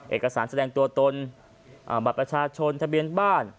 เอกสารแสดงตัวตนด้านบัตรประชาชนธนาบินบ้าน